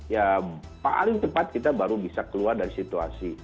ya paling cepat kita baru bisa keluar dari situasi